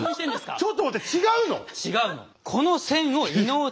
ちょっと待って違うの⁉違うの。